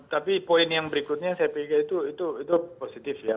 tapi poin yang berikutnya saya pikir itu positif ya